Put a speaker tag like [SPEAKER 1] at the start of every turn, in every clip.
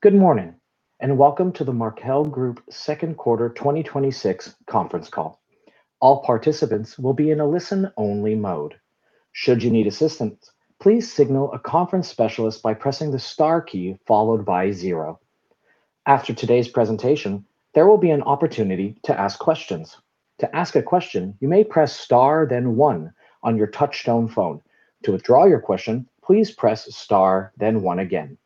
[SPEAKER 1] Good morning, welcome to the Markel Group second quarter 2026 conference call. All participants will be in a listen-only mode. Should you need assistance, please signal a conference specialist by pressing the star key followed by zero. After today's presentation, there will be an opportunity to ask questions. To ask a question, you may press star then one on your touchtone phone. To withdraw your question, please press star, then one again.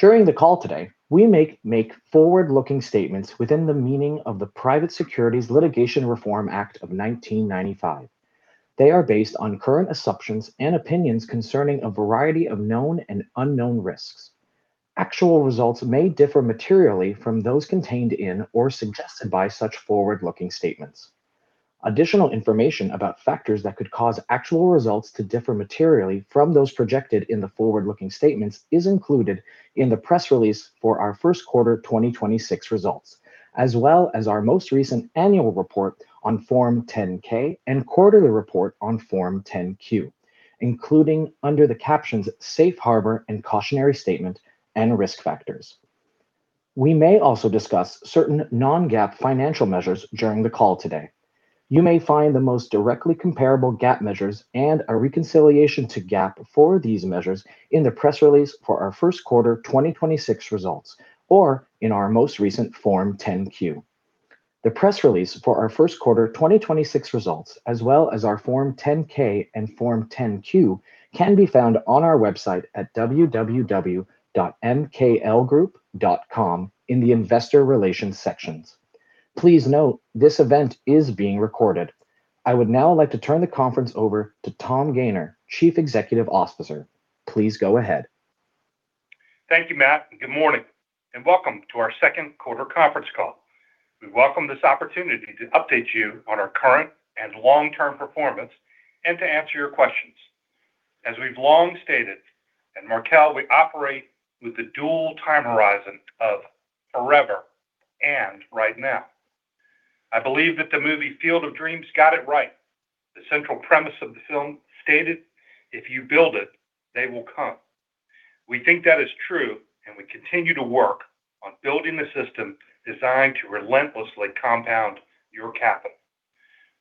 [SPEAKER 1] During the call today, we may make forward-looking statements within the meaning of the Private Securities Litigation Reform Act of 1995. They are based on current assumptions and opinions concerning a variety of known and unknown risks. Actual results may differ materially from those contained in or suggested by such forward-looking statements. Additional information about factors that could cause actual results to differ materially from those projected in the forward-looking statements is included in the press release for our first quarter 2026 results, as well as our most recent annual report on Form 10-K and quarterly report on Form 10-Q, including under the captions "Safe Harbor and Cautionary Statement" and "Risk Factors." We may also discuss certain Non-GAAP financial measures during the call today. You may find the most directly comparable GAAP measures and a reconciliation to GAAP for these measures in the press release for our first quarter 2026 results, or in our most recent Form 10-Q. The press release for our first quarter 2026 results, as well as our Form 10-K and Form 10-Q, can be found on our website at www.mklgroup.com in the Investor Relations sections. Please note, this event is being recorded. I would now like to turn the conference over to Tom Gayner, Chief Executive Officer. Please go ahead.
[SPEAKER 2] Thank you, Matt, good morning, welcome to our second quarter conference call. We welcome this opportunity to update you on our current and long-term performance and to answer your questions. As we've long stated, at Markel, we operate with the dual time horizon of forever and right now. I believe that the movie "Field of Dreams" got it right. The central premise of the film stated, "If you build it, they will come." We think that is true, and we continue to work on building a system designed to relentlessly compound your capital.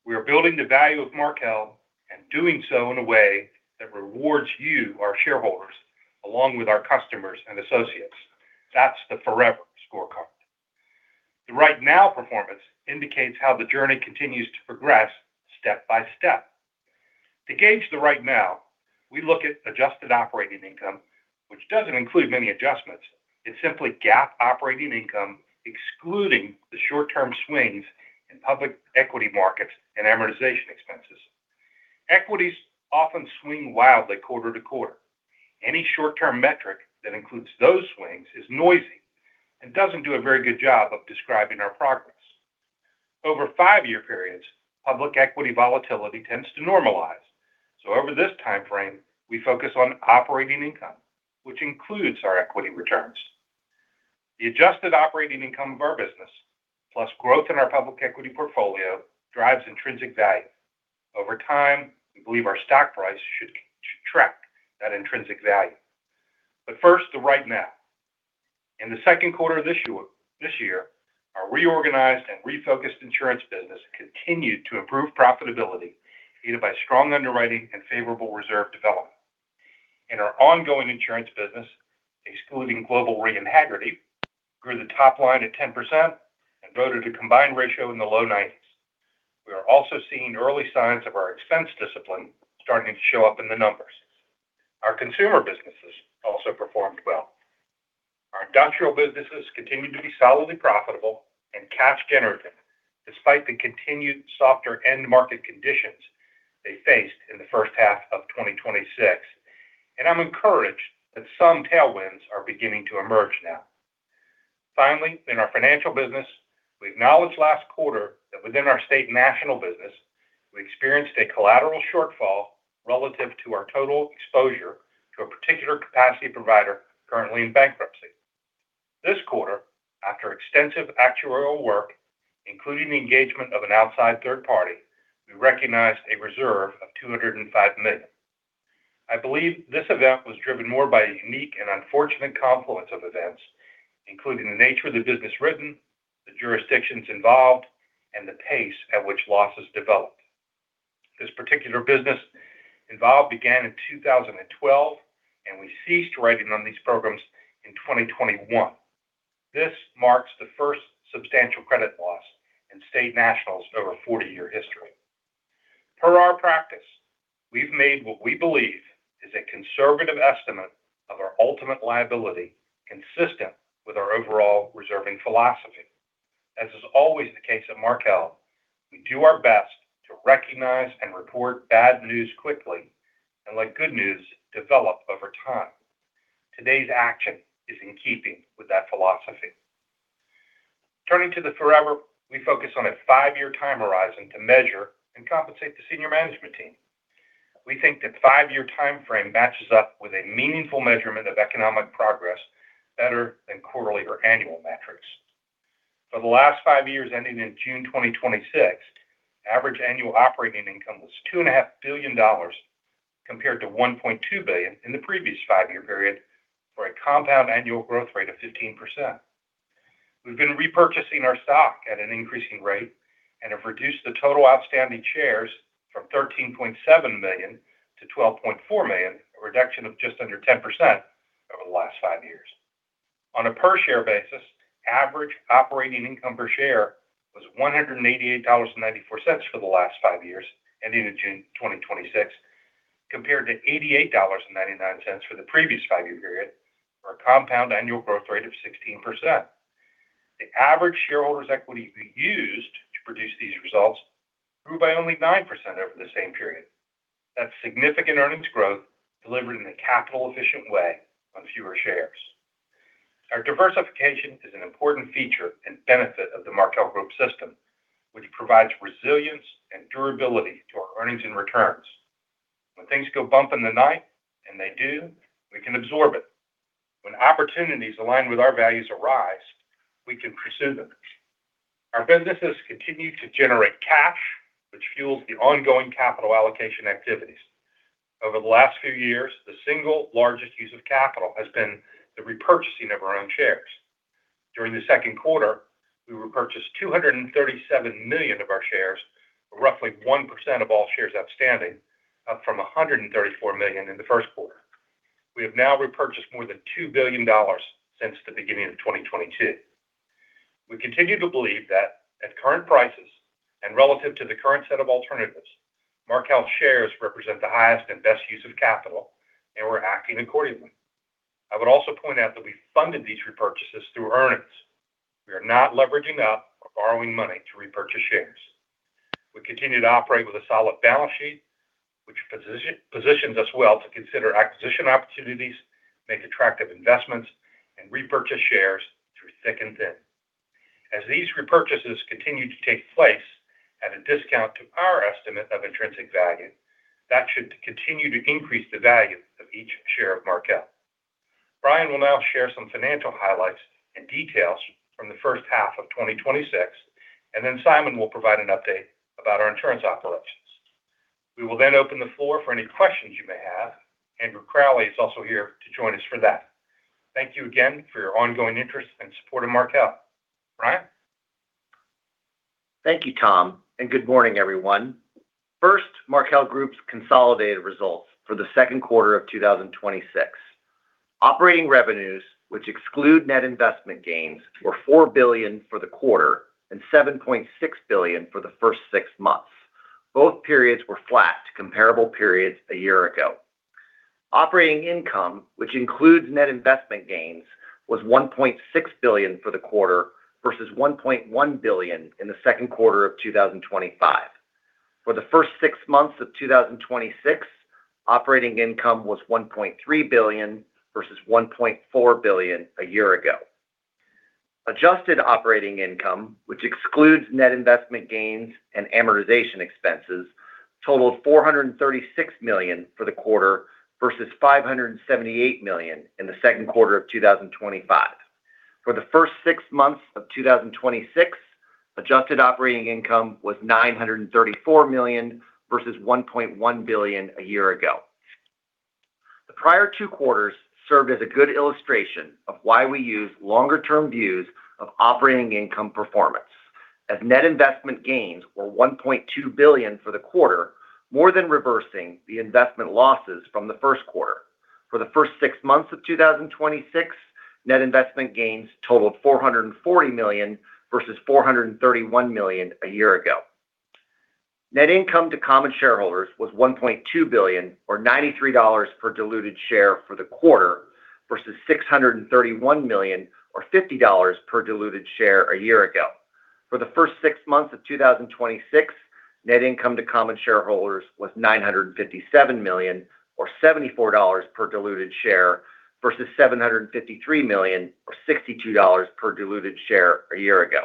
[SPEAKER 2] We are building the value of Markel and doing so in a way that rewards you, our shareholders, along with our customers and associates. That's the forever scorecard. The right now performance indicates how the journey continues to progress step by step. To gauge the right now, we look at adjusted operating income, which doesn't include many adjustments. It's simply GAAP operating income, excluding the short-term swings in public equity markets and amortization expenses. Equities often swing wildly quarter to quarter. Any short-term metric that includes those swings is noisy and doesn't do a very good job of describing our progress. Over five-year periods, public equity volatility tends to normalize. Over this timeframe, we focus on operating income, which includes our equity returns. The adjusted operating income of our business, plus growth in our public equity portfolio, drives intrinsic value. Over time, we believe our stock price should track that intrinsic value. First, the right now. In the second quarter of this year, our reorganized and refocused insurance business continued to improve profitability, aided by strong underwriting and favorable reserve development. In our ongoing insurance business, excluding Global Reinsurance and Hagerty, grew the top line at 10% and wrote at a combined ratio in the low 90s. We are also seeing early signs of our expense discipline starting to show up in the numbers. Our consumer businesses also performed well. Our industrial businesses continued to be solidly profitable and cash generative, despite the continued softer end market conditions they faced in the first half of 2026. I'm encouraged that some tailwinds are beginning to emerge now. Finally, in our financial business, we acknowledged last quarter that within our State National business, we experienced a collateral shortfall relative to our total exposure to a particular capacity provider currently in bankruptcy. This quarter, after extensive actuarial work, including the engagement of an outside third party, we recognized a reserve of $205 million. I believe this event was driven more by a unique and unfortunate confluence of events, including the nature of the business written, the jurisdictions involved, and the pace at which losses developed. This particular business involved began in 2012, and we ceased writing on these programs in 2021. This marks the first substantial credit loss in State National's over 40-year history. Per our practice, we've made what we believe is a conservative estimate of our ultimate liability consistent with our overall reserving philosophy. As is always the case at Markel, we do our best to recognize and report bad news quickly and let good news develop over time. Today's action is in keeping with that philosophy. Turning to the forever, we focus on a five-year time horizon to measure and compensate the senior management team. We think that five-year timeframe matches up with a meaningful measurement of economic progress better than quarterly or annual metrics. For the last five years ending in June 2026, average annual operating income was $2.5 billion, compared to $1.2 billion in the previous five-year period, for a compound annual growth rate of 15%. We've been repurchasing our stock at an increasing rate and have reduced the total outstanding shares from 13.7 million to 12.4 million, a reduction of just under 10% over the last five years. On a per-share basis, average operating income per share was $188.94 for the last five years, ending in June 2026, compared to $88.99 for the previous five-year period, for a compound annual growth rate of 16%. The average shareholders' equity we used to produce these results grew by only 9% over the same period. That's significant earnings growth delivered in a capital-efficient way on fewer shares. Our diversification is an important feature and benefit of the Markel Group system, which provides resilience and durability to our earnings and returns. When things go bump in the night, and they do, we can absorb it. When opportunities align with our values arise, we can pursue them. Our businesses continue to generate cash, which fuels the ongoing capital allocation activities. Over the last few years, the single largest use of capital has been the repurchasing of our own shares. During the second quarter, we repurchased $237 million of our shares, roughly 1% of all shares outstanding, up from $134 million in the first quarter. We have now repurchased more than $2 billion since the beginning of 2022. We continue to believe that at current prices and relative to the current set of alternatives, Markel shares represent the highest and best use of capital, and we're acting accordingly. I would also point out that we funded these repurchases through earnings. We are not leveraging up or borrowing money to repurchase shares. We continue to operate with a solid balance sheet, which positions us well to consider acquisition opportunities, make attractive investments, and repurchase shares through thick and thin. As these repurchases continue to take place at a discount to our estimate of intrinsic value, that should continue to increase the value of each share of Markel. Brian will now share some financial highlights and details from the first half of 2026, and then Simon will provide an update about our insurance operations. We will then open the floor for any questions you may have. Andrew Crowley is also here to join us for that. Thank you again for your ongoing interest and support of Markel. Brian?
[SPEAKER 3] Thank you, Tom, and good morning, everyone. First, Markel Group's consolidated results for the second quarter of 2026. Operating revenues, which exclude net investment gains, were $4 billion for the quarter and $7.6 billion for the first six months. Both periods were flat to comparable periods a year ago. Operating income, which includes net investment gains, was $1.6 billion for the quarter versus $1.1 billion in the second quarter of 2025. For the first six months of 2026, operating income was $1.3 billion versus $1.4 billion a year ago. Adjusted operating income, which excludes net investment gains and amortization expenses, totaled $436 million for the quarter versus $578 million in the second quarter of 2025. For the first six months of 2026, adjusted operating income was $934 million versus $1.1 billion a year ago. The prior two quarters served as a good illustration of why we use longer-term views of operating income performance, as net investment gains were $1.2 billion for the quarter, more than reversing the investment losses from the first quarter. For the first six months of 2026, net investment gains totaled $440 million, versus $431 million a year ago. Net income to common shareholders was $1.2 billion, or $93 per diluted share for the quarter, versus $631 million or $50 per diluted share a year ago. For the first six months of 2026, net income to common shareholders was $957 million, or $74 per diluted share, versus $753 million or $62 per diluted share a year ago.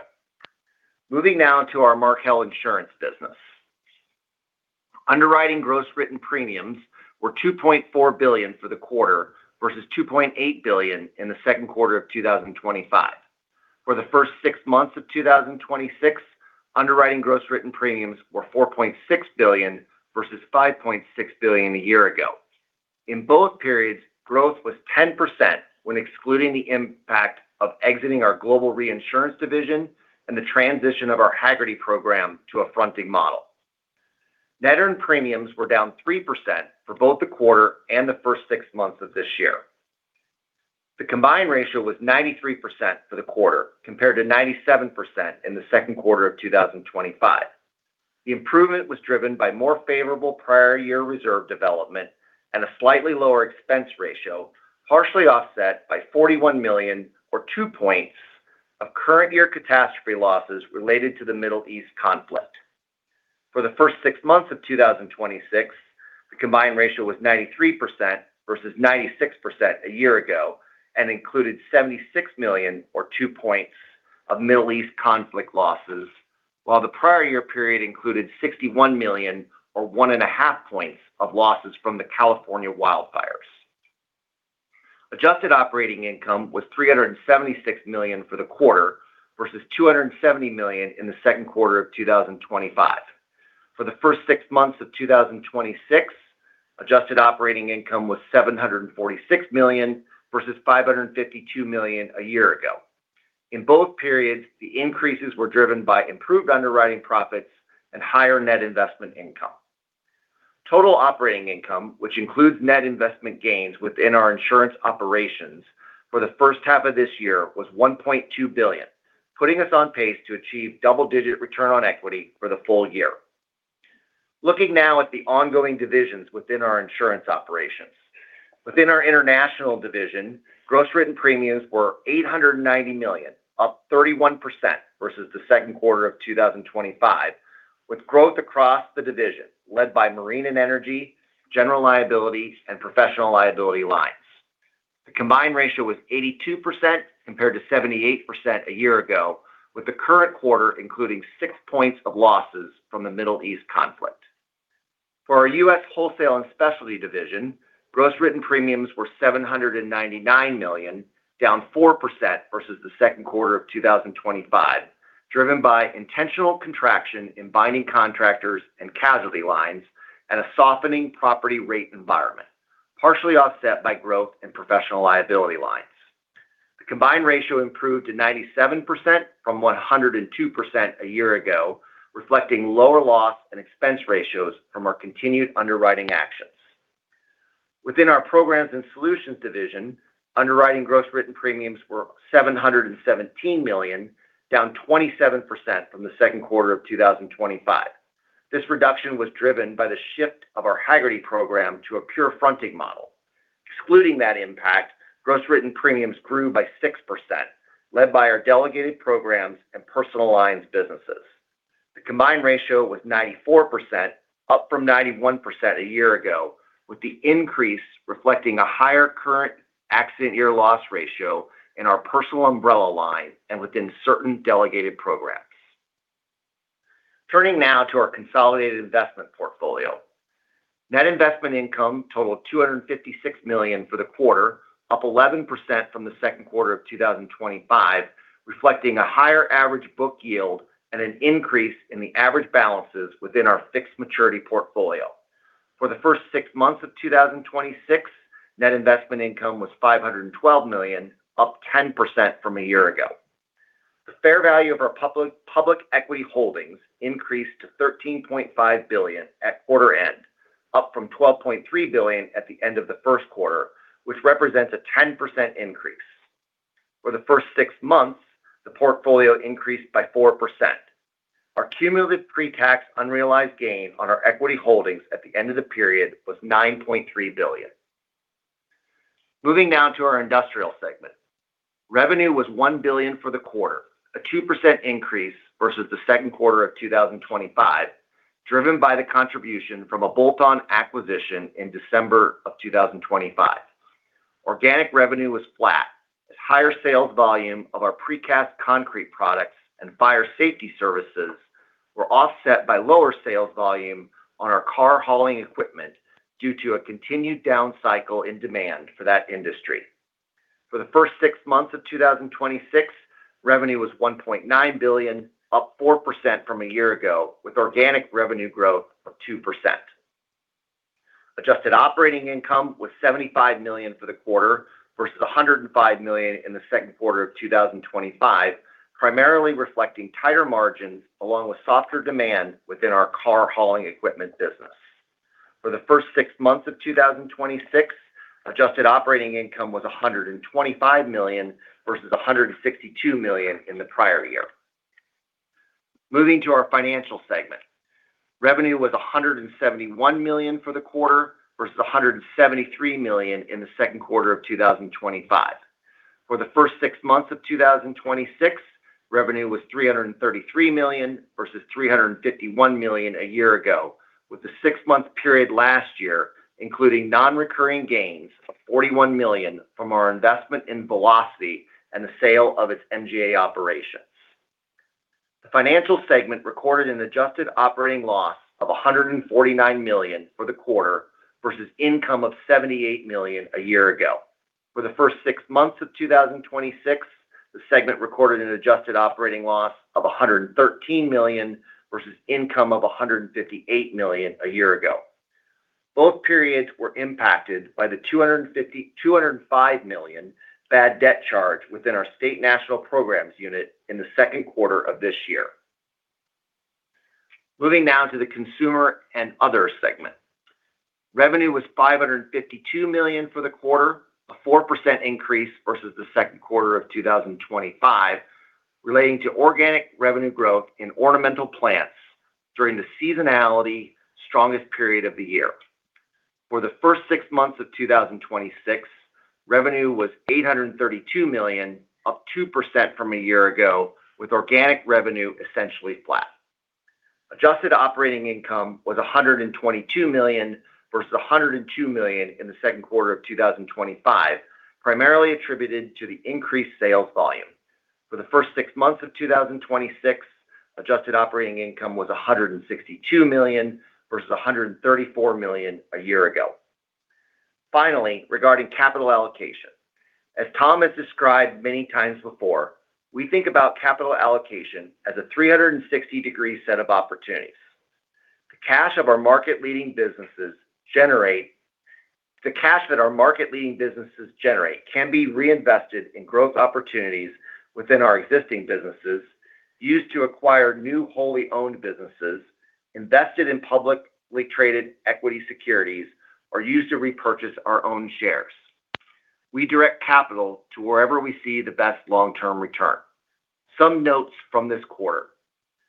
[SPEAKER 3] Moving now to our Markel Insurance business. Underwriting gross written premiums were $2.4 billion for the quarter versus $2.8 billion in the second quarter of 2025. For the first six months of 2026, underwriting gross written premiums were $4.6 billion versus $5.6 billion a year ago. In both periods, growth was 10% when excluding the impact of exiting our Global Reinsurance division and the transition of our Hagerty program to a fronting model. Net earned premiums were down 3% for both the quarter and the first six months of this year. The combined ratio was 93% for the quarter, compared to 97% in the second quarter of 2025. The improvement was driven by more favorable prior year reserve development and a slightly lower expense ratio, partially offset by $41 million or 2 points of current year catastrophe losses related to the Middle East conflict. For the first six months of 2026, the combined ratio was 93% versus 96% a year ago and included $76 million or 2 points of Middle East conflict losses, while the prior year period included $61 million or 1.5 Points of losses from the California wildfires. Adjusted operating income was $376 million for the quarter, versus $270 million in the second quarter of 2025. For the first six months of 2026, adjusted operating income was $746 million versus $552 million a year ago. In both periods, the increases were driven by improved underwriting profits and higher net investment income. Total operating income, which includes net investment gains within our insurance operations for the first half of this year, was $1.2 billion, putting us on pace to achieve double-digit return on equity for the full year. Looking now at the ongoing divisions within our insurance operations. Within our international division, gross written premiums were $890 million, up 31% versus the second quarter of 2025, with growth across the division led by marine and energy, general liability, and professional liability lines. The combined ratio was 82% compared to 78% a year ago, with the current quarter including 6 points of losses from the Middle East conflict. For our U.S. wholesale and specialty division, gross written premiums were $799 million, down 4% versus the second quarter of 2025, driven by intentional contraction in binding contractors and casualty lines and a softening property rate environment, partially offset by growth in professional liability lines. The combined ratio improved to 97% from 102% a year ago, reflecting lower loss and expense ratios from our continued underwriting actions. Within our programs and solutions division, underwriting gross written premiums were $717 million, down 27% from the second quarter of 2025. This reduction was driven by the shift of our Hagerty program to a pure fronting model. Excluding that impact, gross written premiums grew by 6%, led by our delegated programs and personal lines businesses. The combined ratio was 94%, up from 91% a year ago, with the increase reflecting a higher current accident year loss ratio in our personal umbrella line and within certain delegated programs. Turning now to our consolidated investment portfolio. Net investment income totaled $256 million for the quarter, up 11% from the second quarter of 2025, reflecting a higher average book yield and an increase in the average balances within our fixed maturity portfolio. For the first six months of 2026, net investment income was $512 million, up 10% from a year ago. The fair value of our public equity holdings increased to $13.5 billion at quarter end, up from $12.3 billion at the end of the first quarter, which represents a 10% increase. For the first six months, the portfolio increased by 4%. Our cumulative pre-tax unrealized gain on our equity holdings at the end of the period was $9.3 billion. Moving now to our industrial segment. Revenue was $1 billion for the quarter, a 2% increase versus the second quarter of 2025, driven by the contribution from a bolt-on acquisition in December of 2025. Organic revenue was flat, as higher sales volume of our precast concrete products and fire safety services were offset by lower sales volume on our car hauling equipment due to a continued down cycle in demand for that industry. For the first six months of 2026, revenue was $1.9 billion, up 4% from a year ago, with organic revenue growth of 2%. Adjusted operating income was $75 million for the quarter versus $105 million in the second quarter of 2025, primarily reflecting tighter margins along with softer demand within our car hauling equipment business. For the first six months of 2026, adjusted operating income was $125 million versus $162 million in the prior year. Moving to our financial segment. Revenue was $171 million for the quarter versus $173 million in the second quarter of 2025. For the first six months of 2026, revenue was $333 million versus $351 million a year ago, with the six-month period last year including non-recurring gains of $41 million from our investment in Velocity and the sale of its MGA operations. The financial segment recorded an adjusted operating loss of $149 million for the quarter versus income of $78 million a year ago. For the first six months of 2026, the segment recorded an adjusted operating loss of $113 million versus income of $158 million a year ago. Both periods were impacted by the $205 million bad debt charge within our State National programs unit in the second quarter of this year. Moving now to the consumer and other segment. Revenue was $552 million for the quarter, a 4% increase versus the second quarter of 2025, relating to organic revenue growth in ornamental plants during the seasonality strongest period of the year. For the first six months of 2026, revenue was $832 million, up 2% from a year ago, with organic revenue essentially flat. Adjusted operating income was $122 million versus $102 million in the second quarter of 2025, primarily attributed to the increased sales volume. For the first six months of 2026, adjusted operating income was $162 million versus $134 million a year ago. Regarding capital allocation. As Tom has described many times before, we think about capital allocation as a 360-degree set of opportunities. The cash that our market-leading businesses generate can be reinvested in growth opportunities within our existing businesses, used to acquire new wholly owned businesses, invested in publicly traded equity securities, or used to repurchase our own shares. We direct capital to wherever we see the best long-term return. Some notes from this quarter.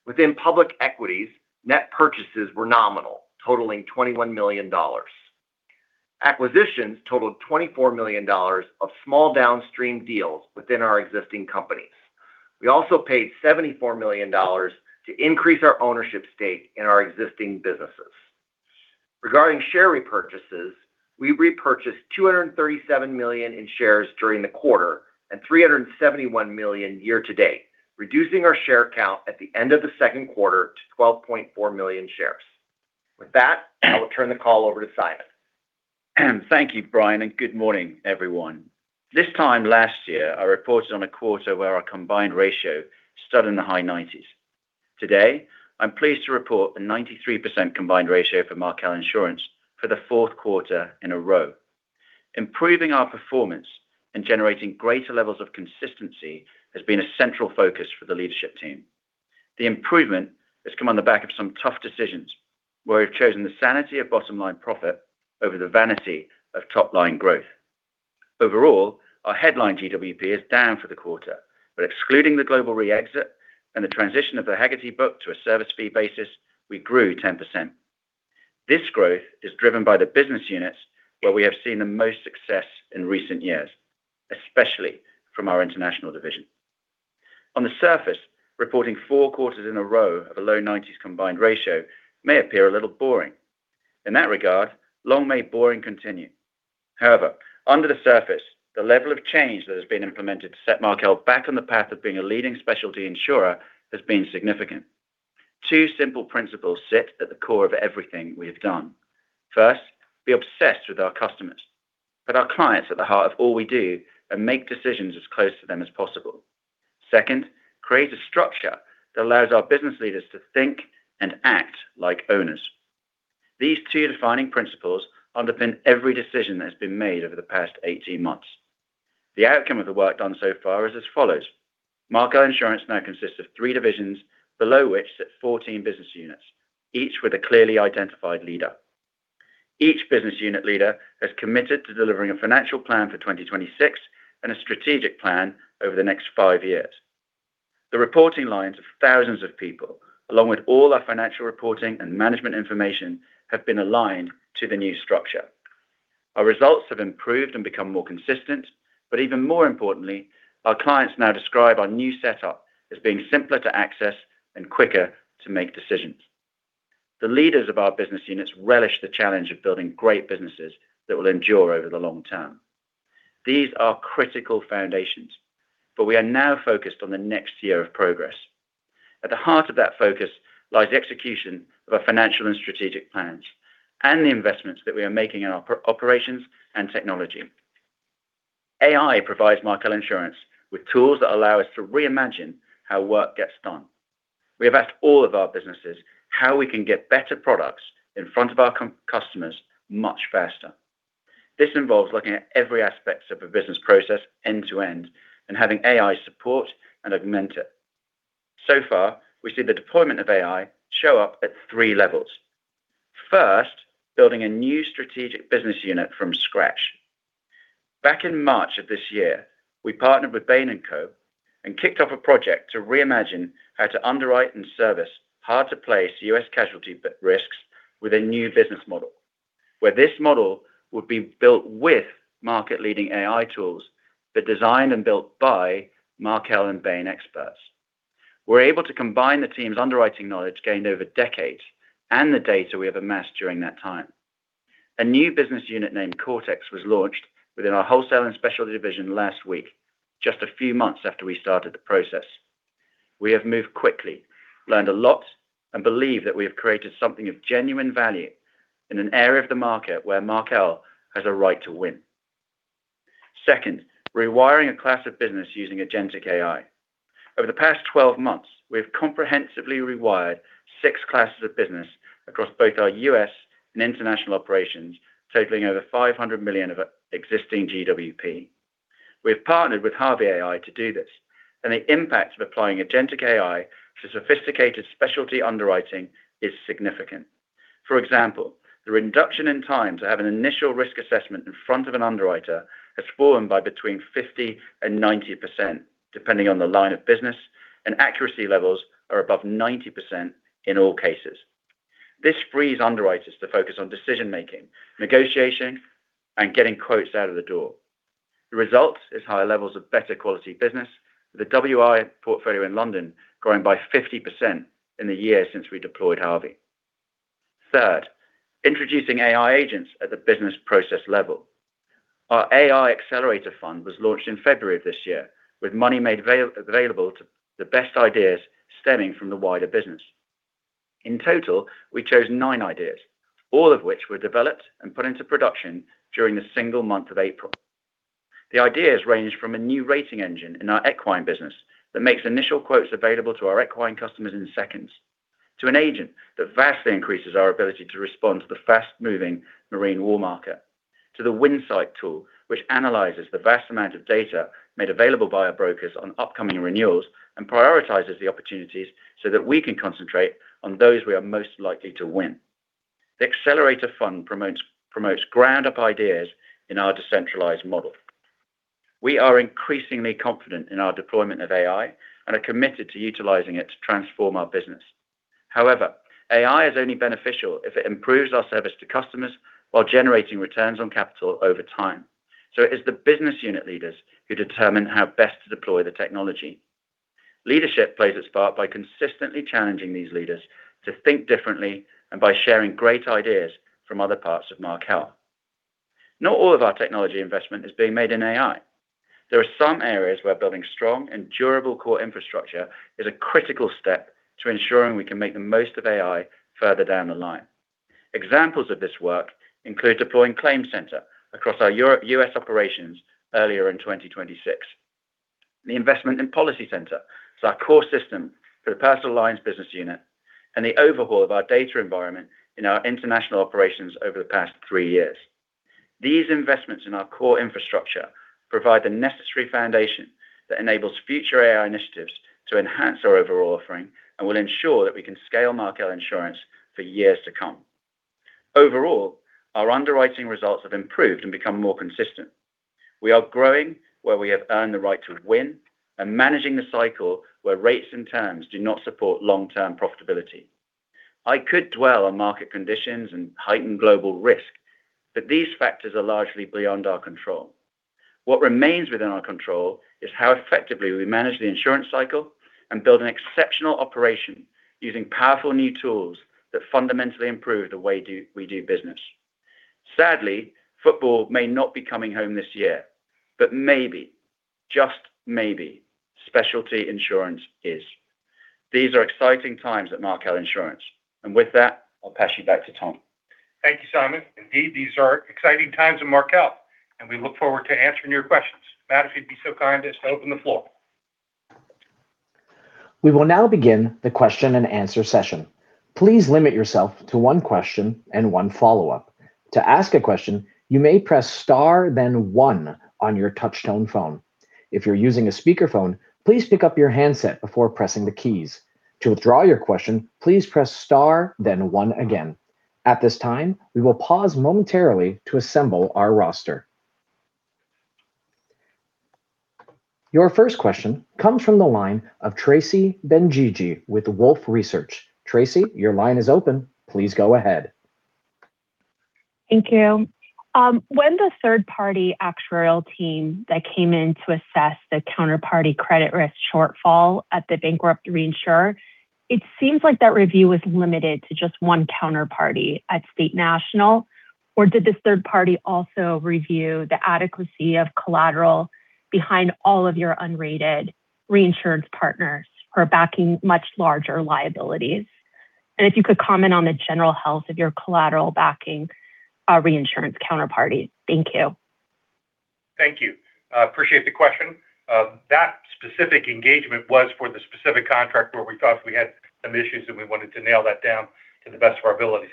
[SPEAKER 3] Within public equities, net purchases were nominal, totaling $21 million. Acquisitions totaled $24 million of small downstream deals within our existing companies. We also paid $74 million to increase our ownership stake in our existing businesses. Regarding share repurchases, we repurchased $237 million in shares during the quarter and $371 million year to date, reducing our share count at the end of the second quarter to 12.4 million shares. With that, I will turn the call over to Simon.
[SPEAKER 4] Thank you, Brian, and good morning, everyone. This time last year, I reported on a quarter where our combined ratio stood in the high 90s. Today, I am pleased to report a 93% combined ratio for Markel Insurance for the fourth quarter in a row. Improving our performance and generating greater levels of consistency has been a central focus for the leadership team. The improvement has come on the back of some tough decisions, where we have chosen the sanity of bottom-line profit over the vanity of top-line growth. Overall, our headline GWP is down for the quarter, but excluding the Global Re-exit and the transition of the Hagerty book to a service fee basis, we grew 10%. This growth is driven by the business units where we have seen the most success in recent years, especially from our international division. On the surface, reporting four quarters in a row of a low 90s combined ratio may appear a little boring. In that regard, long may boring continue. Under the surface, the level of change that has been implemented to set Markel back on the path of being a leading specialty insurer has been significant. Two simple principles sit at the core of everything we have done. First, be obsessed with our customers. Put our clients at the heart of all we do and make decisions as close to them as possible. Second, create a structure that allows our business leaders to think and act like owners. These two defining principles underpin every decision that has been made over the past 18 months. The outcome of the work done so far is as follows. Markel Insurance now consists of three divisions, below which sit 14 business units, each with a clearly identified leader. Each business unit leader has committed to delivering a financial plan for 2026 and a strategic plan over the next five years. The reporting lines of thousands of people, along with all our financial reporting and management information, have been aligned to the new structure. Our results have improved and become more consistent, even more importantly, our clients now describe our new setup as being simpler to access and quicker to make decisions. The leaders of our business units relish the challenge of building great businesses that will endure over the long term. These are critical foundations, we are now focused on the next year of progress. At the heart of that focus lies execution of our financial and strategic plans and the investments that we are making in our operations and technology. AI provides Markel Insurance with tools that allow us to reimagine how work gets done. We have asked all of our businesses how we can get better products in front of our customers much faster. This involves looking at every aspect of a business process end to end and having AI support and augment it. So far, we see the deployment of AI show up at three levels. First, building a new strategic business unit from scratch. Back in March of this year, we partnered with Bain & Co. Kicked off a project to reimagine how to underwrite and service hard-to-place U.S. casualty risks with a new business model, where this model would be built with market-leading AI tools but designed and built by Markel and Bain experts. We're able to combine the team's underwriting knowledge gained over decades and the data we have amassed during that time. A new business unit named Cortex was launched within our wholesale and specialty division last week, just a few months after we started the process. We have moved quickly, learned a lot, and believe that we have created something of genuine value in an area of the market where Markel has a right to win. Second, rewiring a class of business using agentic AI. Over the past 12 months, we have comprehensively rewired six classes of business across both our U.S. and international operations, totaling over $500 million of existing GWP. We've partnered with Harvey AI to do this, and the impact of applying agentic AI to sophisticated specialty underwriting is significant. For example, the reduction in time to have an initial risk assessment in front of an underwriter has fallen by between 50%-90%, depending on the line of business, and accuracy levels are above 90% in all cases. This frees underwriters to focus on decision making, negotiation, and getting quotes out of the door. The result is higher levels of better quality business, with the WI portfolio in London growing by 50% in the year since we deployed Harvey. Third, introducing AI agents at the business process level. Our AI accelerator fund was launched in February of this year, with money made available to the best ideas stemming from the wider business. In total, we chose nine ideas, all of which were developed and put into production during the single month of April. The ideas range from a new rating engine in our equine business that makes initial quotes available to our equine customers in seconds, to an agent that vastly increases our ability to respond to the fast-moving marine war market, to the Winsight tool, which analyzes the vast amount of data made available by our brokers on upcoming renewals and prioritizes the opportunities so that we can concentrate on those we are most likely to win. The accelerator fund promotes ground-up ideas in our decentralized model. We are increasingly confident in our deployment of AI and are committed to utilizing it to transform our business. AI is only beneficial if it improves our service to customers while generating returns on capital over time. It is the business unit leaders who determine how best to deploy the technology. Leadership plays its part by consistently challenging these leaders to think differently and by sharing great ideas from other parts of Markel. Not all of our technology investment is being made in AI. There are some areas where building strong and durable core infrastructure is a critical step to ensuring we can make the most of AI further down the line. Examples of this work include deploying ClaimCenter across our U.S. operations earlier in 2026. The investment in PolicyCenter is our core system for the personal lines business unit and the overhaul of our data environment in our international operations over the past three years. These investments in our core infrastructure provide the necessary foundation that enables future AI initiatives to enhance our overall offering and will ensure that we can scale Markel Insurance for years to come. Overall, our underwriting results have improved and become more consistent. We are growing where we have earned the right to win and managing the cycle where rates and terms do not support long-term profitability. I could dwell on market conditions and heightened global risk, these factors are largely beyond our control. What remains within our control is how effectively we manage the insurance cycle and build an exceptional operation using powerful new tools that fundamentally improve the way we do business. Sadly, football may not be coming home this year, maybe, just maybe, specialty insurance is. These are exciting times at Markel Insurance, with that, I'll pass you back to Tom.
[SPEAKER 2] Thank you, Simon. Indeed, these are exciting times at Markel, we look forward to answering your questions. Matt, if you'd be so kind as to open the floor.
[SPEAKER 1] We will now begin the question-and-answer session. Please limit yourself to one question and one follow-up. To ask a question, you may press star then one on your touchtone phone. If you're using a speakerphone, please pick up your handset before pressing the keys. To withdraw your question, please press star then one again. At this time, we will pause momentarily to assemble our roster. Your first question comes from the line of Tracy Benguigui with Wolfe Research. Tracy, your line is open. Please go ahead.
[SPEAKER 5] Thank you. When the third-party actuarial team that came in to assess the counterparty credit risk shortfall at the bankrupt reinsurer, it seems like that review was limited to just one counterparty at State National. Did this third party also review the adequacy of collateral behind all of your unrated reinsurance partners who are backing much larger liabilities? If you could comment on the general health of your collateral backing our reinsurance counterparties. Thank you.
[SPEAKER 2] Thank you. I appreciate the question. That specific engagement was for the specific contract where we thought we had some issues, and we wanted to nail that down to the best of our abilities.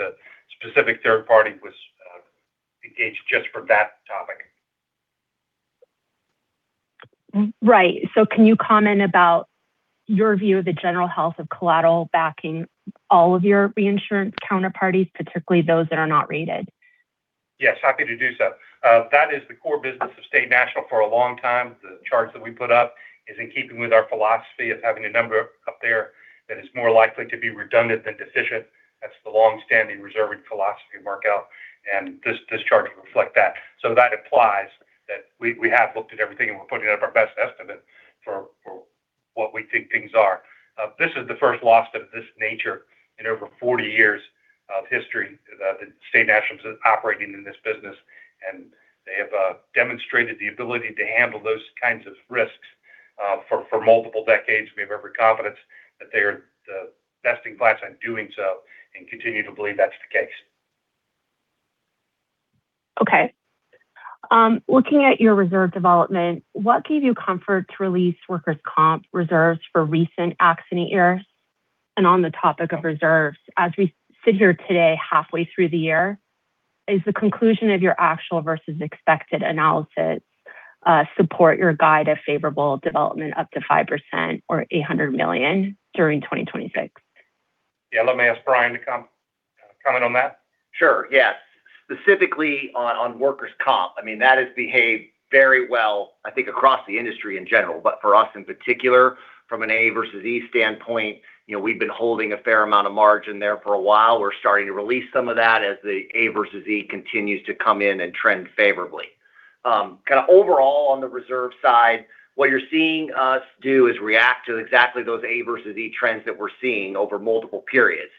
[SPEAKER 2] The specific third party was engaged just for that topic.
[SPEAKER 5] Right. Can you comment about your view of the general health of collateral backing all of your reinsurance counterparties, particularly those that are not rated?
[SPEAKER 2] Yes, happy to do so. That is the core business of State National for a long time. The charts that we put up is in keeping with our philosophy of having a number up there that is more likely to be redundant than deficient. That's the longstanding reserving philosophy of Markel, and this chart will reflect that. That implies that we have looked at everything and we're putting up our best estimate for what we think things are. This is the first loss of this nature in over 40 years of history that State National's operating in this business, and they have demonstrated the ability to handle those kinds of risks for multiple decades. We have every confidence that they are the best in class on doing so and continue to believe that's the case.
[SPEAKER 5] Okay. Looking at your reserve development, what gave you comfort to release workers' comp reserves for recent accident years? On the topic of reserves, as we sit here today, halfway through the year, is the conclusion of your actual versus expected analysis support your guide of favorable development up to 5% or $800 million during 2026?
[SPEAKER 2] Yeah. Let me ask Brian to comment on that.
[SPEAKER 3] Sure, yeah. Specifically on workers' comp, that has behaved very well, I think, across the industry in general, but for us in particular, from an A versus E standpoint, we've been holding a fair amount of margin there for a while. We're starting to release some of that as the A versus E continues to come in and trend favorably Kind of overall on the reserve side, what you're seeing us do is react to exactly those A versus E trends that we're seeing over multiple periods.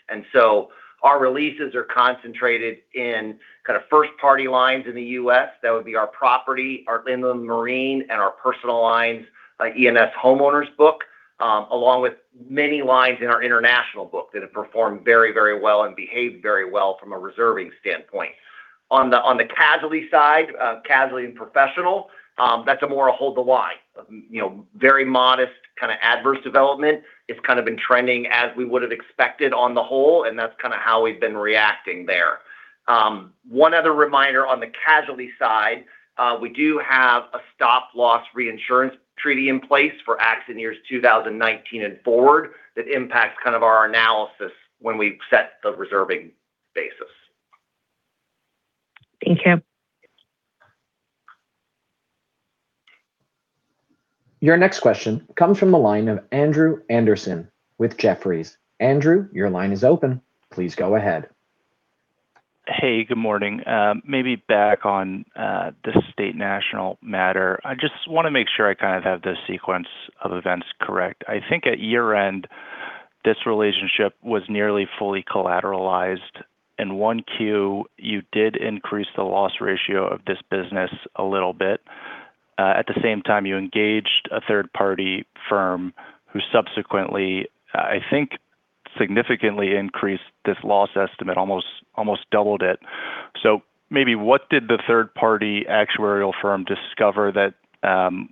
[SPEAKER 3] Our releases are concentrated in kind of first-party lines in the U.S. That would be our property, our inland marine, and our personal lines, like E&S homeowners book, along with many lines in our international book that have performed very well and behaved very well from a reserving standpoint. On the casualty side, casualty and professional, that's a more hold the line. Very modest, kind of adverse development. It's kind of been trending as we would've expected on the whole, and that's kind of how we've been reacting there. One other reminder on the casualty side, we do have a stop loss reinsurance treaty in place for accident years 2019 and forward that impacts kind of our analysis when we set the reserving basis.
[SPEAKER 5] Thank you.
[SPEAKER 1] Your next question comes from the line of Andrew Andersen with Jefferies. Andrew, your line is open. Please go ahead.
[SPEAKER 6] Hey, good morning. Maybe back on the State National matter, I just want to make sure I kind of have the sequence of events correct. I think at year-end, this relationship was nearly fully collateralized. In 1Q, you did increase the loss ratio of this business a little bit. At the same time, you engaged a third-party firm who subsequently, I think, significantly increased this loss estimate, almost doubled it. Maybe what did the third-party actuarial firm discover that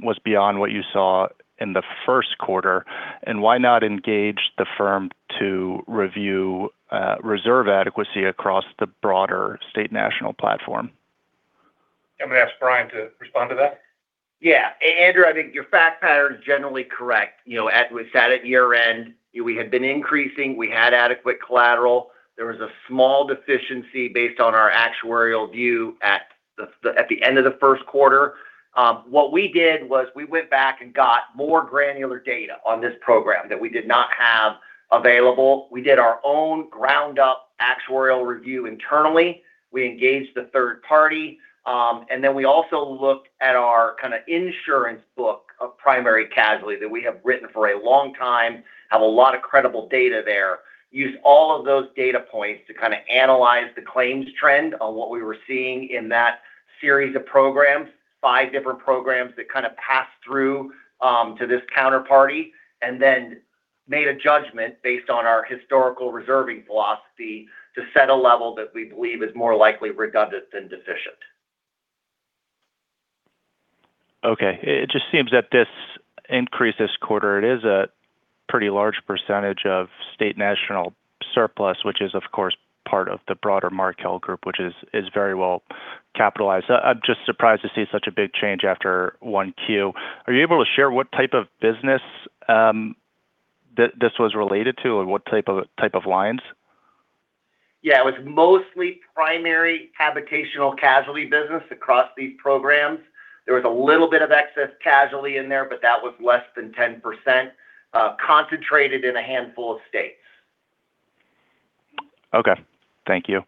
[SPEAKER 6] was beyond what you saw in the first quarter, and why not engage the firm to review reserve adequacy across the broader State National platform?
[SPEAKER 2] I'm going to ask Brian to respond to that.
[SPEAKER 3] Yeah. Andrew, I think your fact pattern's generally correct. As we sat at year-end, we had been increasing. We had adequate collateral. There was a small deficiency based on our actuarial view at the end of the first quarter. What we did was we went back and got more granular data on this program that we did not have available. We did our own ground-up actuarial review internally. We engaged the third party. We also looked at our insurance book of primary casualty that we have written for a long time, have a lot of credible data there. We used all of those data points to kind of analyze the claims trend on what we were seeing in that series of programs, five different programs that kind of pass through to this counterparty. Made a judgment based on our historical reserving philosophy to set a level that we believe is more likely redundant than deficient.
[SPEAKER 6] Okay. It just seems that this increase this quarter, it is a pretty large percentage of State National surplus, which is, of course, part of the broader Markel Group, which is very well capitalized. I'm just surprised to see such a big change after 1Q. Are you able to share what type of business this was related to, or what type of lines?
[SPEAKER 3] Yeah. It was mostly primary habitational casualty business across these programs. There was a little bit of excess casualty in there, but that was less than 10%, concentrated in a handful of states.
[SPEAKER 6] Okay. Thank you.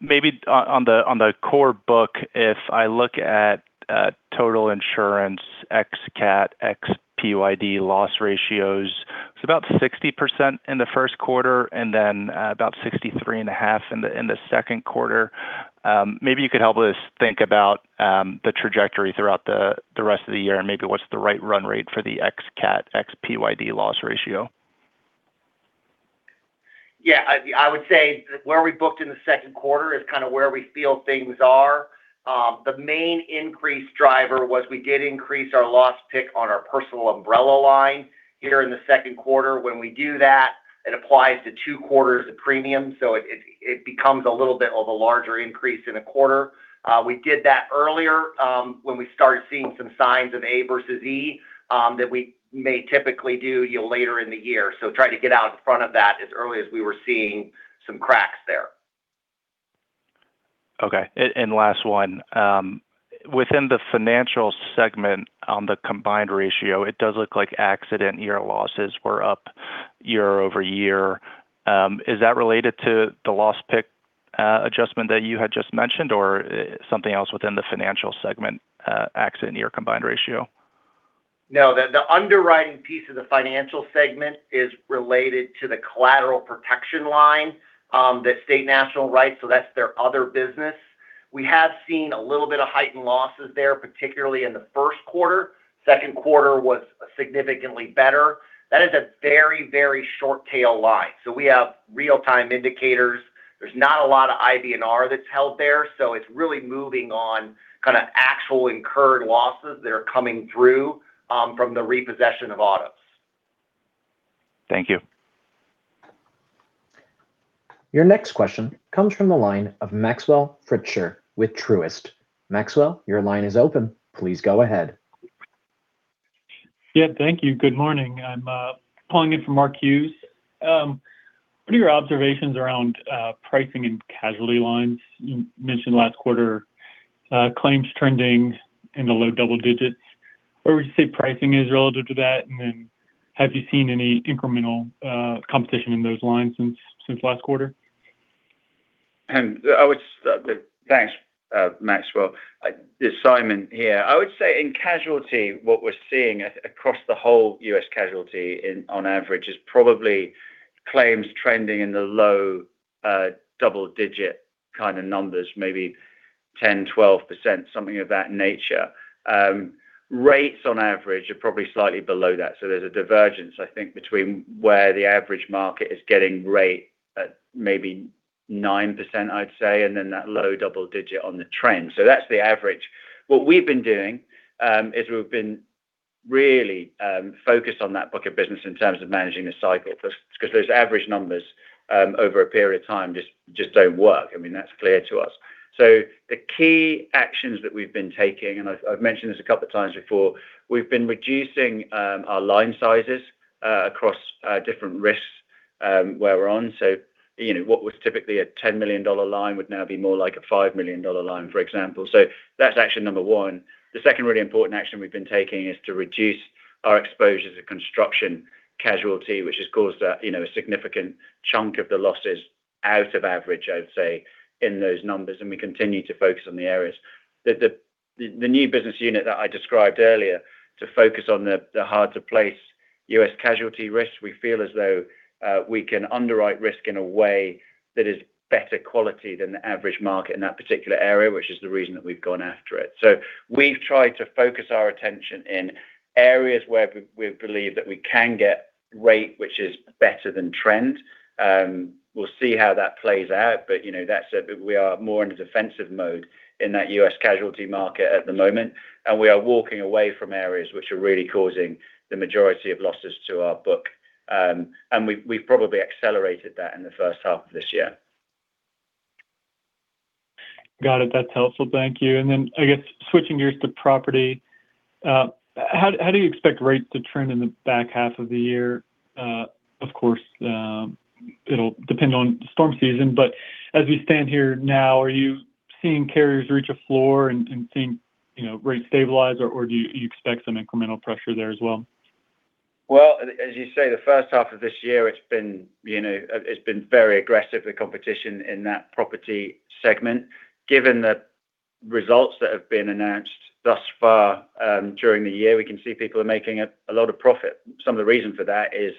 [SPEAKER 6] Maybe on the core book, if I look at total insurance ex cat, ex PYD loss ratios, it's about 60% in the first quarter, then about 63.5% in the second quarter. Maybe you could help us think about the trajectory throughout the rest of the year and maybe what's the right run rate for the ex cat, ex PYD loss ratio?
[SPEAKER 3] Yeah, I would say that where we booked in the second quarter is kind of where we feel things are. The main increase driver was we did increase our loss pick on our personal umbrella line here in the second quarter. When we do that, it applies to two quarters of premium, so it becomes a little bit of a larger increase in a quarter. We did that earlier when we started seeing some signs of A versus E that we may typically do later in the year, so tried to get out in front of that as early as we were seeing some cracks there.
[SPEAKER 6] Okay. Last one. Within the Financial Segment on the combined ratio, it does look like accident year losses were up year-over-year. Is that related to the loss pick adjustment that you had just mentioned, or something else within the Financial Segment accident year combined ratio?
[SPEAKER 3] No. The underwriting piece of the Financial Segment is related to the collateral protection line that State National writes, so that's their other business. We have seen a little bit of heightened losses there, particularly in the first quarter. Second quarter was significantly better. That is a very short-tail line, so we have real-time indicators. There's not a lot of IBNR that's held there, so it's really moving on kind of actual incurred losses that are coming through from the repossession of autos.
[SPEAKER 6] Thank you.
[SPEAKER 1] Your next question comes from the line of Maxwell Fritscher with Truist. Maxwell, your line is open. Please go ahead.
[SPEAKER 7] Yeah, thank you. Good morning. I'm calling in for Mark Hughes. What are your observations around pricing in casualty lines? You mentioned last quarter claims trending in the low double digits. Where would you say pricing is relative to that? Have you seen any incremental competition in those lines since last quarter?
[SPEAKER 4] Thanks, Maxwell. It's Simon here. I would say in casualty, what we're seeing across the whole U.S. casualty on average is probably claims trending in the low double-digit kind of numbers, maybe 10%, 12%, something of that nature. Rates on average are probably slightly below that. There's a divergence, I think, between where the average market is getting rate at maybe 9%, I'd say, and then that low double-digit on the trend. That's the average. What we've been doing is we've been really focused on that book of business in terms of managing the cycle because those average numbers over a period of time just don't work. That's clear to us. The key actions that we've been taking, and I've mentioned this a couple of times before, we've been reducing our line sizes across different risks where we're on. What was typically a $10 million line would now be more like a $5 million line, for example. That's action number one. The second really important action we've been taking is to reduce our exposures of construction casualty, which has caused a significant chunk of the losses out of average, I would say, in those numbers. We continue to focus on the areas. The new business unit that I described earlier to focus on the hard-to-place U.S. casualty risks, we feel as though we can underwrite risk in a way that is better quality than the average market in that particular area, which is the reason that we've gone after it. We've tried to focus our attention in areas where we believe that we can get rate, which is better than trend. We'll see how that plays out. We are more in a defensive mode in that U.S. casualty market at the moment, and we are walking away from areas which are really causing the majority of losses to our book. We've probably accelerated that in the first half of this year.
[SPEAKER 7] Got it. That's helpful. Thank you. Switching gears to property, how do you expect rates to trend in the back half of the year? Of course, it'll depend on the storm season, but as we stand here now, are you seeing carriers reach a floor and seeing rates stabilize, or do you expect some incremental pressure there as well?
[SPEAKER 4] As you say, the first half of this year, it's been very aggressive, the competition in that property segment. Given the results that have been announced thus far during the year, we can see people are making a lot of profit. Some of the reason for that is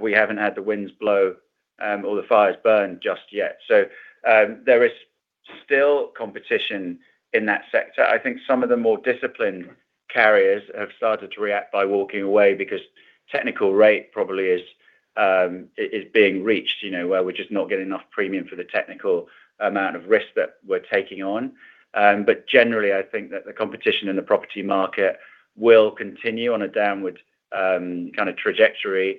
[SPEAKER 4] we haven't had the winds blow or the fires burn just yet. There is still competition in that sector. I think some of the more disciplined carriers have started to react by walking away because technical rate probably is being reached, where we're just not getting enough premium for the technical amount of risk that we're taking on. Generally, I think that the competition in the property market will continue on a downward trajectory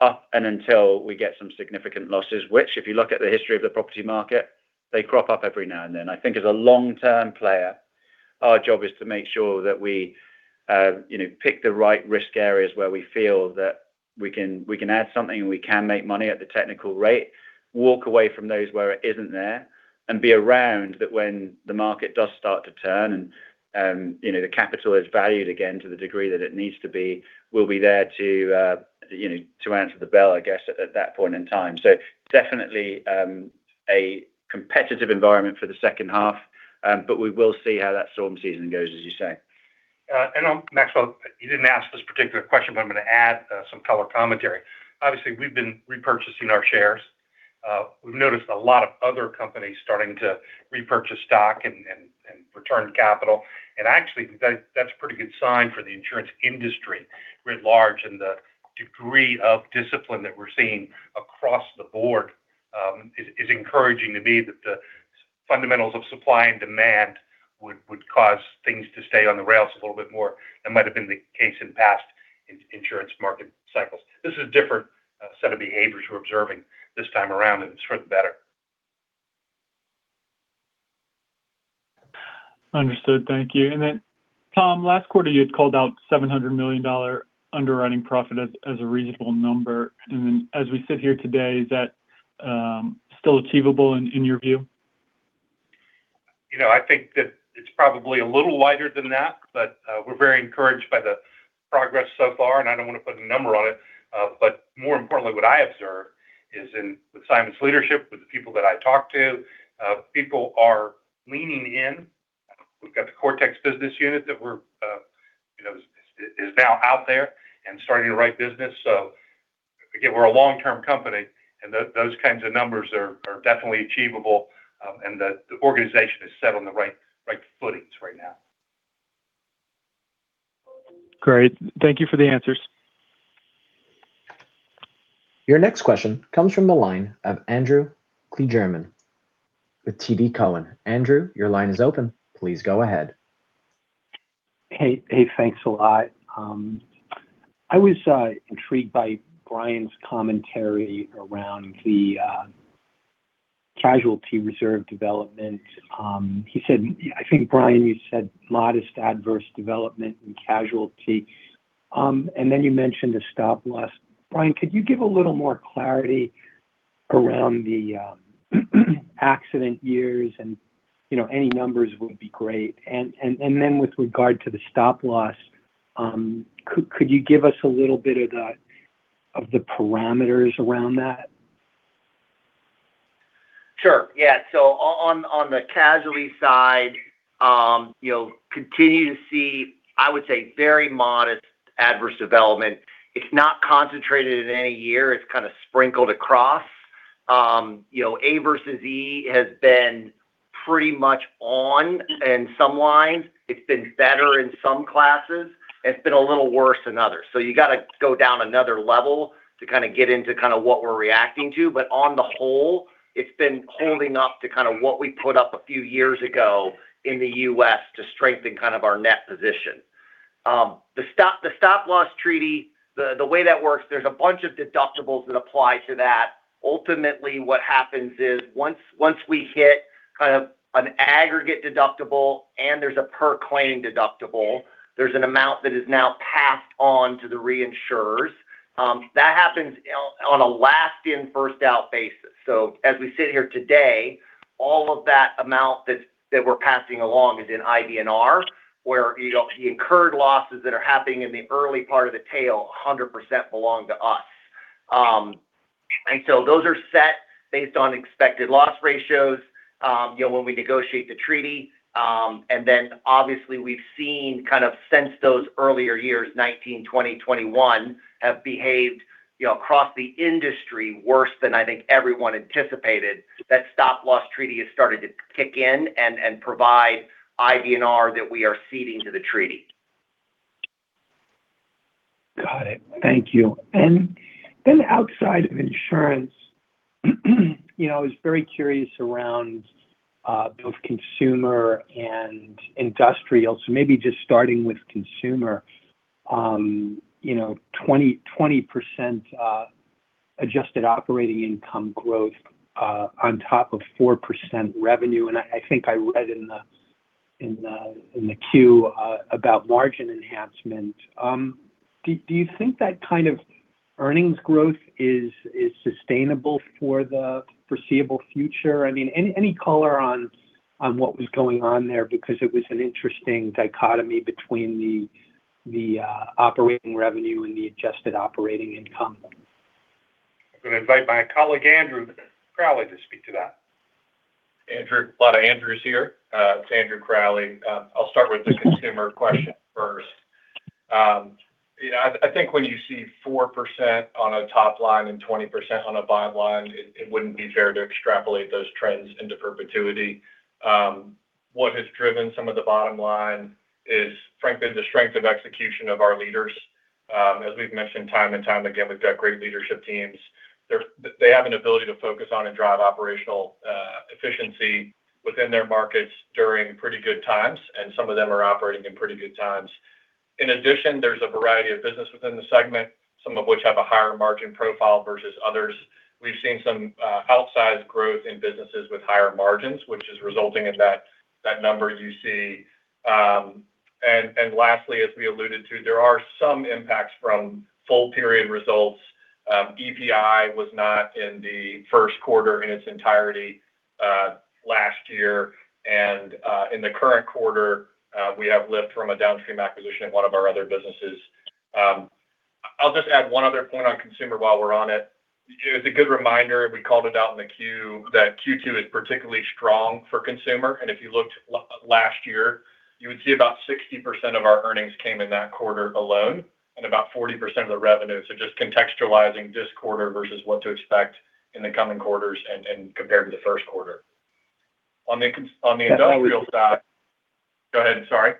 [SPEAKER 4] up and until we get some significant losses, which, if you look at the history of the property market, they crop up every now and then. I think as a long-term player, our job is to make sure that we pick the right risk areas where we feel that we can add something and we can make money at the technical rate, walk away from those where it isn't there, and be around that when the market does start to turn and the capital is valued again to the degree that it needs to be, we'll be there to answer the bell, I guess, at that point in time. Definitely a competitive environment for the second half, but we will see how that storm season goes, as you say.
[SPEAKER 2] Maxwell, you didn't ask this particular question, I'm going to add some color commentary. Obviously, we've been repurchasing our shares. We've noticed a lot of other companies starting to repurchase stock and return capital. Actually, that's a pretty good sign for the insurance industry writ large and the degree of discipline that we're seeing across the board is encouraging to me that the fundamentals of supply and demand would cause things to stay on the rails a little bit more than might have been the case in past insurance market cycles. This is a different set of behaviors we're observing this time around, and it's for the better.
[SPEAKER 7] Understood. Thank you. Tom, last quarter you had called out $700 million underwriting profit as a reasonable number. As we sit here today, is that still achievable in your view?
[SPEAKER 2] I think that it's probably a little wider than that, we're very encouraged by the progress so far, and I don't want to put a number on it. More importantly, what I observe is with Simon's leadership, with the people that I talk to, people are leaning in. We've got the Cortex business unit that is now out there and starting to write business. Again, we're a long-term company, and those kinds of numbers are definitely achievable, and the organization is set on the right footings right now.
[SPEAKER 7] Great. Thank you for the answers.
[SPEAKER 1] Your next question comes from the line of Andrew Kligerman with TD Cowen. Andrew, your line is open. Please go ahead.
[SPEAKER 8] Hey, thanks a lot. I was intrigued by Brian's commentary around the casualty reserve development. I think, Brian, you said modest adverse development in casualty. You mentioned a stop loss. Brian, could you give a little more clarity around the accident years and any numbers would be great. With regard to the stop loss, could you give us a little bit of the parameters around that?
[SPEAKER 3] Sure. Yeah. On the casualty side, continue to see, I would say, very modest adverse development. It's not concentrated in any year. It's kind of sprinkled across. A versus E has been pretty much on in some lines. It's been better in some classes. It's been a little worse in others. You got to go down another level to get into what we're reacting to. On the whole, it's been holding up to what we put up a few years ago in the U.S. to strengthen our net position. The stop loss treaty, the way that works, there's a bunch of deductibles that apply to that. Ultimately, what happens is once we hit an aggregate deductible and there's a per claim deductible, there's an amount that is now passed on to the reinsurers. That happens on a last in, first out basis. As we sit here today, all of that amount that we are passing along is in IBNR, where the incurred losses that are happening in the early part of the tail 100% belong to us. Those are set based on expected loss ratios, when we negotiate the treaty. Obviously we have seen since those earlier years, 2019, 2020, 2021, have behaved across the industry worse than I think everyone anticipated. That stop loss treaty has started to kick in and provide IBNR that we are ceding to the treaty.
[SPEAKER 8] Got it. Thank you. Outside of insurance, I was very curious around both consumer and industrial. Maybe just starting with consumer, 20% adjusted operating income growth on top of 4% revenue, and I think I read in the Form 10-Q about margin enhancement. Do you think that kind of earnings growth is sustainable for the foreseeable future? Any color on what was going on there? Because it was an interesting dichotomy between the operating revenue and the adjusted operating income.
[SPEAKER 2] I am going to invite my colleague, Andrew Crowley, to speak to that.
[SPEAKER 9] Andrew. A lot of Andrews here. It is Andrew Crowley. I will start with the consumer question first. I think when you see 4% on a top line and 20% on a bottom line, it would not be fair to extrapolate those trends into perpetuity. What has driven some of the bottom line is, frankly, the strength of execution of our leaders. As we have mentioned time and time again, we have got great leadership teams. They have an ability to focus on and drive operational efficiency within their markets during pretty good times, and some of them are operating in pretty good times. In addition, there is a variety of business within the segment, some of which have a higher margin profile versus others. We have seen some outsized growth in businesses with higher margins, which is resulting in that number you see. Lastly, as we alluded to, there are some impacts from full period results. EPI was not in the first quarter in its entirety last year. In the current quarter, we have lift from a downstream acquisition in one of our other businesses. I'll just add one other point on consumer while we're on it. It's a good reminder, we called it out in the Form 10-Q, that Q2 is particularly strong for consumer. If you looked last year, you would see about 60% of our earnings came in that quarter alone and about 40% of the revenue. Just contextualizing this quarter versus what to expect in the coming quarters and compared to the first quarter. On the industrial side Go ahead. Sorry.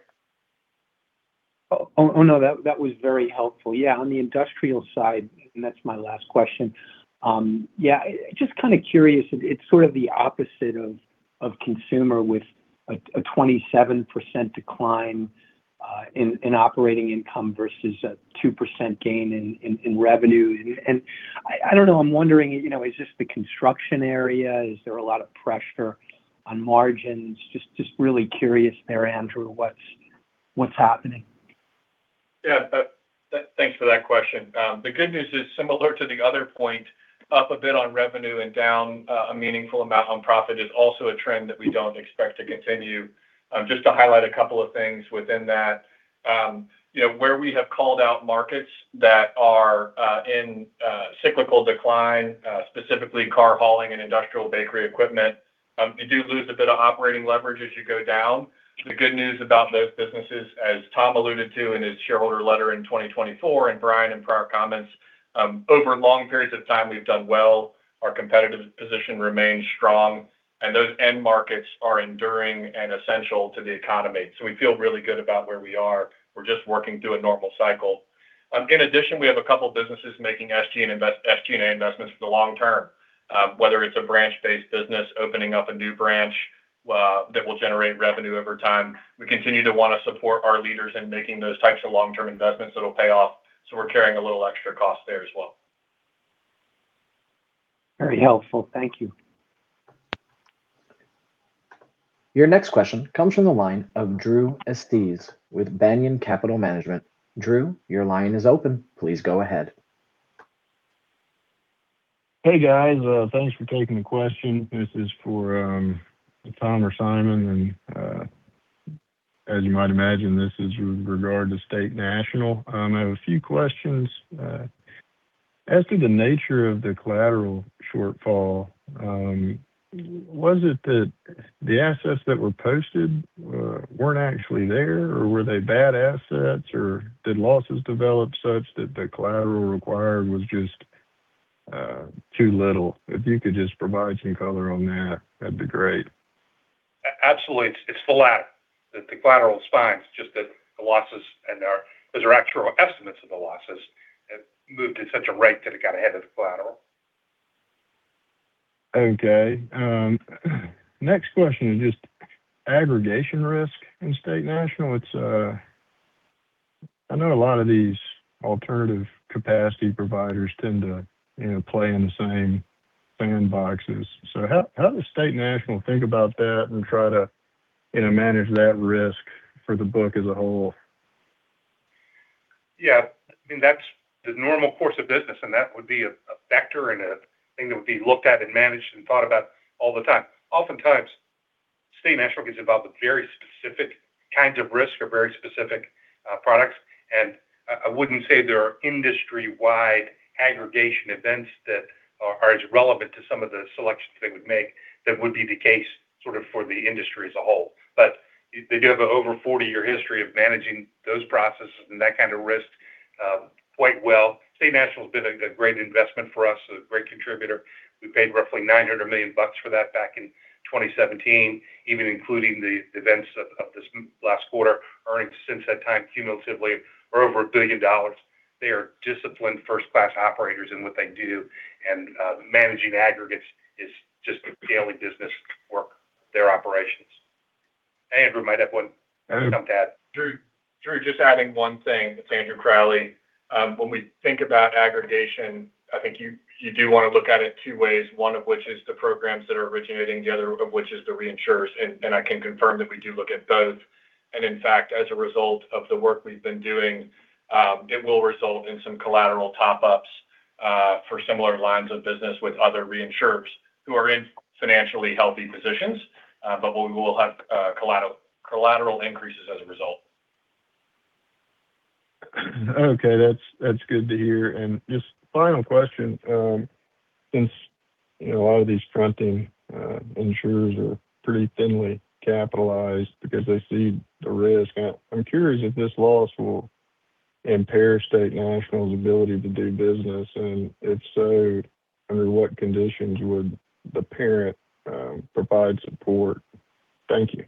[SPEAKER 8] Oh, no. That was very helpful. On the industrial side, that's my last question. Just kind of curious, it's sort of the opposite of consumer with a 27% decline in operating income versus a 2% gain in revenue. I don't know, I'm wondering, is this the construction area? Is there a lot of pressure on margins? Just really curious there, Andrew, what's happening?
[SPEAKER 9] Thanks for that question. The good news is similar to the other point, up a bit on revenue and down a meaningful amount on profit is also a trend that we don't expect to continue. Just to highlight a couple of things within that. Where we have called out markets that are in cyclical decline, specifically car hauling and industrial bakery equipment, you do lose a bit of operating leverage as you go down. The good news about those businesses, as Tom alluded to in his shareholder letter in 2024, Brian in prior comments, over long periods of time, we've done well. Our competitive position remains strong, and those end markets are enduring and essential to the economy. We feel really good about where we are. We're just working through a normal cycle. In addition, we have a couple of businesses making SG&A investments for the long term. Whether it's a branch-based business opening up a new branch that will generate revenue over time, we continue to want to support our leaders in making those types of long-term investments that'll pay off. We're carrying a little extra cost there as well.
[SPEAKER 8] Very helpful. Thank you.
[SPEAKER 1] Your next question comes from the line of Drew Estes with Banyan Capital Management. Drew, your line is open. Please go ahead.
[SPEAKER 10] Hey, guys. Thanks for taking the question. This is for Tom or Simon, as you might imagine, this is with regard to State National. I have a few questions. As to the nature of the collateral shortfall, was it that the assets that were posted weren't actually there, or were they bad assets, or did losses develop such that the collateral required was just too little? If you could just provide some color on that'd be great.
[SPEAKER 2] Absolutely. It's the collateral's fine, just that the losses and those are actual estimates of the losses have moved at such a rate that it got ahead of the collateral.
[SPEAKER 10] Next question is just aggregation risk in State National. I know a lot of these alternative capacity providers tend to play in the same sandboxes. How does State National think about that and try to manage that risk for the book as a whole?
[SPEAKER 2] Yeah. That's the normal course of business, and that would be a factor and a thing that would be looked at and managed and thought about all the time. Oftentimes, State National is about the very specific kinds of risk or very specific products. I wouldn't say there are industry-wide aggregation events that are as relevant to some of the selections they would make that would be the case sort of for the industry as a whole. They do have an over 40-year history of managing those processes and that kind of risk quite well. State National has been a great investment for us, a great contributor. We paid roughly $900 million for that back in 2017, even including the events of this last quarter, earnings since that time cumulatively are over $1 billion. They are disciplined, first-class operators in what they do. Managing aggregates is just daily business for their operations. Andrew might have one thing to add.
[SPEAKER 9] Drew, just adding one thing. It's Andrew Crowley. When we think about aggregation, I think you do want to look at it two ways, one of which is the programs that are originating, the other of which is the reinsurers. I can confirm that we do look at both. In fact, as a result of the work we've been doing, it will result in some collateral top-ups for similar lines of business with other reinsurers who are in financially healthy positions. We will have collateral increases as a result.
[SPEAKER 10] Okay. That's good to hear. Just final question, since a lot of these fronting insurers are pretty thinly capitalized because they see the risk, I'm curious if this loss will impair State National's ability to do business, and if so, under what conditions would the parent provide support? Thank you.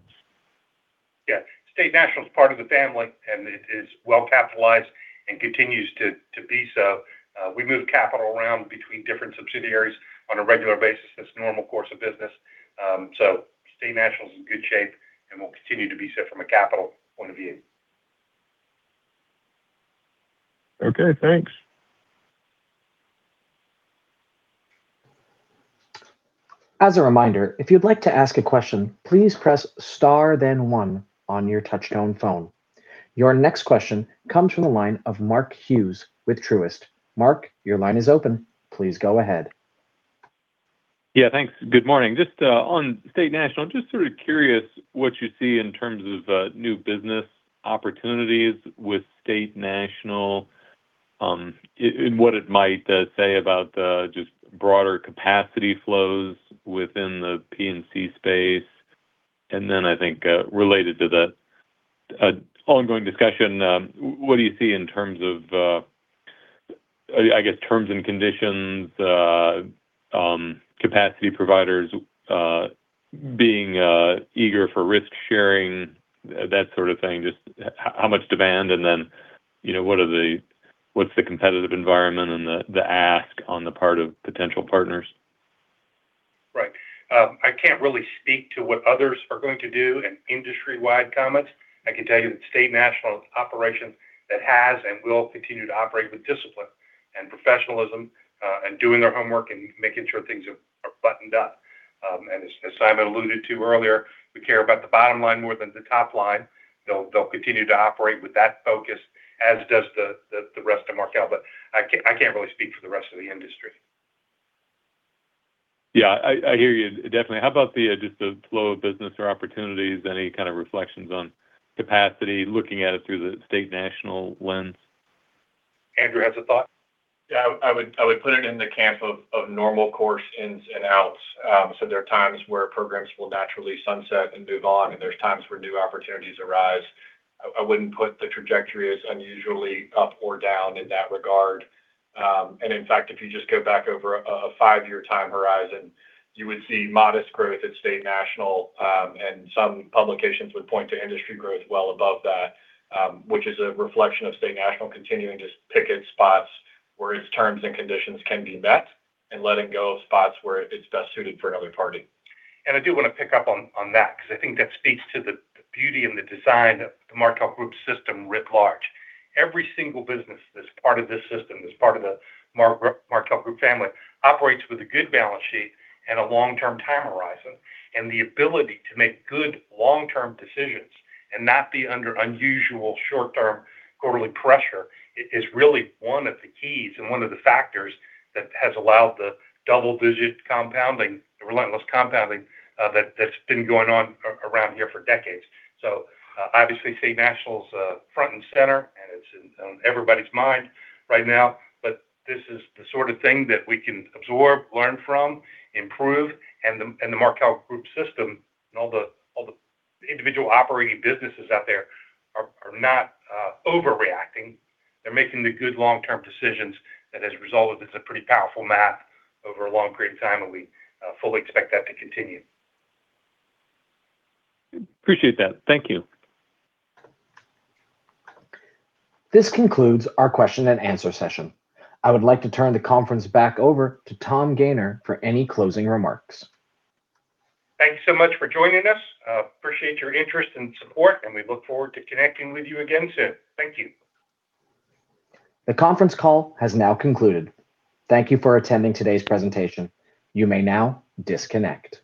[SPEAKER 2] Yeah. State National is part of the family, and it is well-capitalized and continues to be so. We move capital around between different subsidiaries on a regular basis. That's the normal course of business. State National is in good shape and will continue to be so from a capital point of view.
[SPEAKER 10] Okay, thanks.
[SPEAKER 1] As a reminder, if you'd like to ask a question, please press star then one on your touch-tone phone. Your next question comes from the line of Mark Hughes with Truist. Mark, your line is open. Please go ahead.
[SPEAKER 11] Yeah, thanks. Good morning. Just on State National, just sort of curious what you see in terms of new business opportunities with State National, and what it might say about just broader capacity flows within the P&C space. Then I think related to the ongoing discussion, what do you see in terms of, I guess, terms and conditions, capacity providers being eager for risk sharing, that sort of thing? Just how much demand, what's the competitive environment and the ask on the part of potential partners?
[SPEAKER 2] Right. I can't really speak to what others are going to do and industry-wide comments. I can tell you that State National is an operation that has and will continue to operate with discipline and professionalism and doing their homework and making sure things are buttoned up. As Simon alluded to earlier, we care about the bottom line more than the top line. They'll continue to operate with that focus, as does the rest of Markel, I can't really speak for the rest of the industry.
[SPEAKER 11] Yeah, I hear you definitely. How about just the flow of business or opportunities? Any kind of reflections on capacity, looking at it through the State National lens?
[SPEAKER 2] Andrew has a thought.
[SPEAKER 9] I would put it in the camp of normal course ins and outs. There are times where programs will naturally sunset and move on, and there's times where new opportunities arise. I wouldn't put the trajectory as unusually up or down in that regard. In fact, if you just go back over a five-year time horizon, you would see modest growth at State National, and some publications would point to industry growth well above that, which is a reflection of State National continuing to pick its spots where its terms and conditions can be met and letting go of spots where it's best suited for another party.
[SPEAKER 2] I do want to pick up on that because I think that speaks to the beauty and the design of the Markel Group system writ large. Every single business that's part of this system, that's part of the Markel Group family, operates with a good balance sheet and a long-term time horizon. The ability to make good long-term decisions and not be under unusual short-term quarterly pressure is really one of the keys and one of the factors that has allowed the double-digit compounding, the relentless compounding that's been going on around here for decades. Obviously, State National's front and center, and it's on everybody's mind right now. This is the sort of thing that we can absorb, learn from, improve, and the Markel Group system and all the individual operating businesses out there are not overreacting. They're making the good long-term decisions, as a result, it's a pretty powerful math over a long period of time, and we fully expect that to continue.
[SPEAKER 11] Appreciate that. Thank you.
[SPEAKER 1] This concludes our question-and-answer session. I would like to turn the conference back over to Tom Gayner for any closing remarks.
[SPEAKER 2] Thanks so much for joining us. Appreciate your interest and support, and we look forward to connecting with you again soon. Thank you.
[SPEAKER 1] The conference call has now concluded. Thank you for attending today's presentation. You may now disconnect.